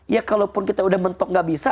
ya kalaupun kita sudah mentok tidak bisa